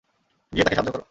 গিয়ে তাকে সাহায্য কর।